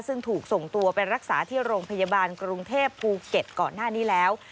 ซึ่งถูกส่งตัวไปรักษาที่โรงพยาบาลกรุงเทพภูเก็ตก่อนหน้านี้แล้ว